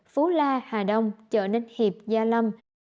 phú la hà đông chợ ninh hiệp gia lâm